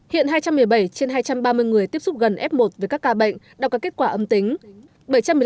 hiện hai trăm một mươi bảy trên hai trăm ba mươi người tiếp xúc gần f một với các ca bệnh đã có kết quả âm tính